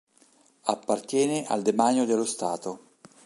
Appartiene al demanio dello Stato.